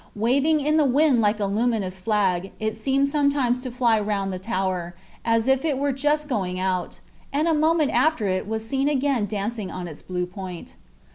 Waving in the wind like a luminous flag, it seemed sometimes to fly round the tower, as if it was just going out, and a moment after it was seen again dancing on its blue point.